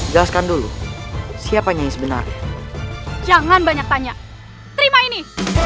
jalaskan dulu siapa nyai sebenar jangan banyak tanya terima ini